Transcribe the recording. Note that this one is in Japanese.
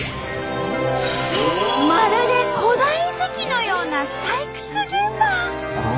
まるで古代遺跡のような採掘現場！